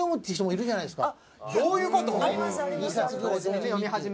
天才じゃないですか。